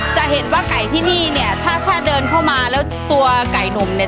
จะเห็นว่าไก่ที่นี่เนี่ยถ้าถ้าเดินเข้ามาแล้วตัวไก่หนุ่มเนี่ย